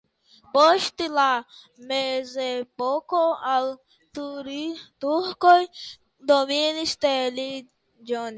Post la mezepoko la turkoj dominis tie longe.